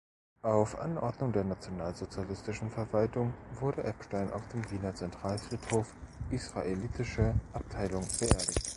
Auf Anordnung der nationalsozialistischen Verwaltung wurde Epstein auf dem Wiener Zentralfriedhof, Israelitische Abteilung, beerdigt.